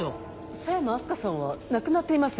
佐山明日香さんは亡くなっています。